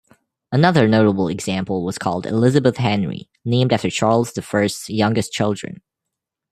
Another notable example was called Elizabeth-Henry, named after Charles the First's youngest children.